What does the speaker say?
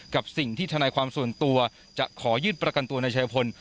กับสิ่งที่ทนายความส่วนตัวจะขอยื่นประกันตัวนายชายพล